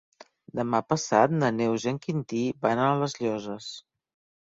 Demà passat na Neus i en Quintí van a les Llosses.